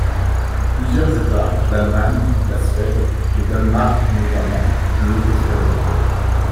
Plusieurs États, l’Allemagne, la Suède, le Danemark notamment, l’ont expérimenté.